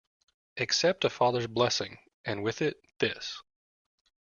Accept a father's blessing, and with it, this.